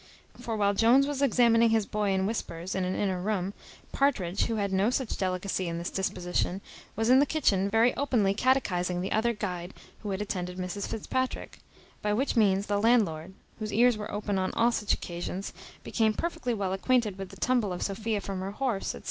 For while Jones was examining his boy in whispers in an inner room, Partridge, who had no such delicacy in his disposition, was in the kitchen very openly catechising the other guide who had attended Mrs Fitzpatrick; by which means the landlord, whose ears were open on all such occasions, became perfectly well acquainted with the tumble of Sophia from her horse, &c.